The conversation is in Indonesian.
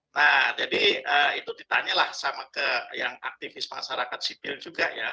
nah jadi itu ditanyalah sama ke yang aktivis masyarakat sipil juga ya